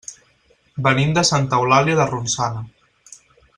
Venim de Santa Eulàlia de Ronçana.